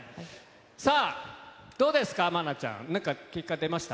さあ、どうですか、愛菜ちゃん、なんか結果出ました。